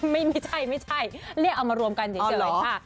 ไม่ใช่ไม่ใช่เรียกเอามารวมกันเฉยเลยค่ะ